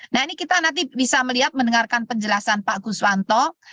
nah ini kita nanti bisa melihat mendengarkan penjelasan pak guswanto